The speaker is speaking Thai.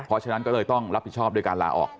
เพราะฉะนั้นก็เลยต้องรับผิดชอบด้วยการลาออก